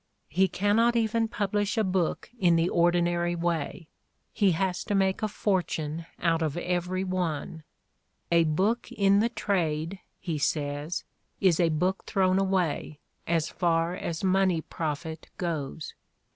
He cannot even pub lish a book in the ordinary way, he has to make a for tune out of every one :" a book in the trade, '' he says, "is a book thrown away, as far as money profit goes.